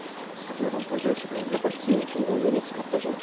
先ほどもポイントでしたけどやっぱり常にお湯につかった状態を保つんですね。